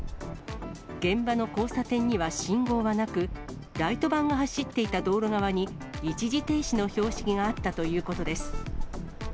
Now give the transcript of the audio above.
現場の交差点には信号はなく、ライトバンが走っていた道路側に、一時停止の標識があったということです。